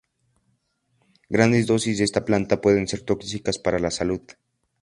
Grandes dosis de esta planta pueden ser tóxicas para la salud.